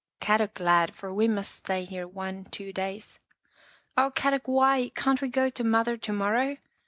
Kadok glad, for we must stay here one, two days." " Oh, Kadok, why? Can't we go to Mother to morrow?"